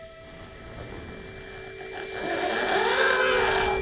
ああ。